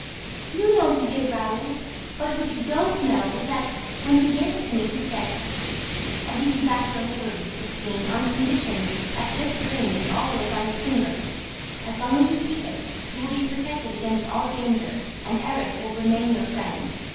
"You know he did, Raoul! But what you don't know is that, when he gave it to me, he said, 'I give you back your liberty, Christine, on condition that this ring is always on your finger. As long as you keep it, you will be protected against all danger and Erik will remain your friend.